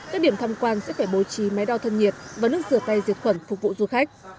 các điểm thăm quan sẽ phải bố trí máy đo thân nhiệt và nước rửa tay diệt khuẩn phục vụ du khách